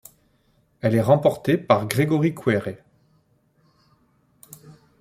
Elle est remportée par Grégory Quere.